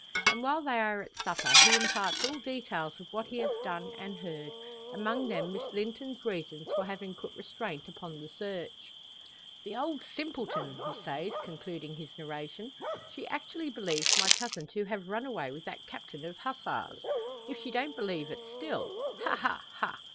And while they are at supper, he imparts all details of what he has done and heard; among them Miss Linton's reasons for having put restraint upon the search. "The old simpleton!" he says, concluding his narration, "she actually believed my cousin to have run away with that captain of Hussars if she don't believe it still! Ha, ha, ha.